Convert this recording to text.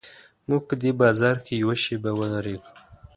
موږ په دې بازار کې یوه شېبه ودرېدو.